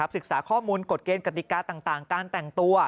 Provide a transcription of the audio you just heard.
ศึกษาข้อมูลกฎเกณฑ์กติกาต่างการแต่งตัว